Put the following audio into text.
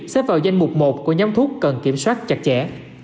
xếp vào danh mục một của nhóm thuốc cần kiểm soát chặt chẽ